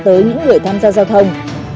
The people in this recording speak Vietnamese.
tới những người tham gia giao thông